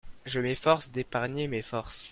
Je m'efforce d'épargner mes forces.